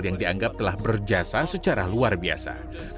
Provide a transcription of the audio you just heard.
yang dianggap telah berjasa secara luar biasa